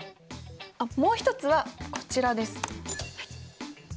もう一つはこちらです。